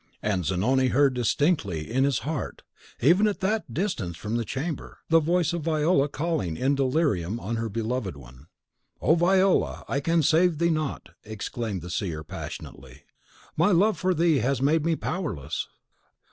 And Zanoni heard distinctly in his heart, even at that distance from the chamber, the voice of Viola calling in delirium on her beloved one. "Oh, Viola, I can save thee not!" exclaimed the seer, passionately; "my love for thee has made me powerless!"